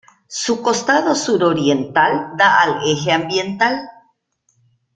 Su costado suroriental da al Eje Ambiental.